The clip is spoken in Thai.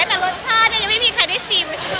แต่รสชาติยังไม่มีใครที่ชิม